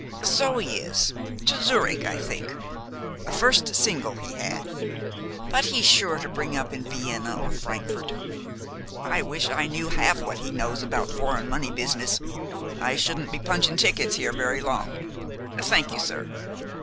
"So he is, to Zurich, I think. First single he had. But he's sure to bring up in Vienna or Frankfort. I wish I knew half what he knows about foreign money business. I shouldn't be punching tickets here very long. Thank you, sir.